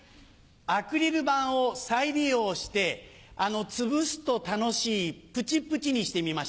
アクリル板を再利用してあのつぶすと楽しいプチプチにしてみました。